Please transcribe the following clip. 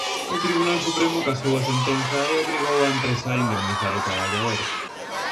O Tribunal Supremo casou a sentenza e obrigou a empresa a indemnizar o traballador.